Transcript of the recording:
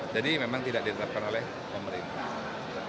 jadi memang tidak ditetapkan oleh pemerintah